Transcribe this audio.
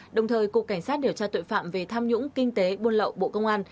đồng thời cục cảnh sát điều tra tội phạm về tham nhũng kinh tế buôn lậu bộ công an